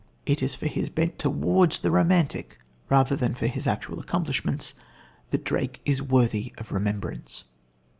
It is for his bent towards the romantic, rather than for his actual accomplishments, that Drake is worthy of remembrance.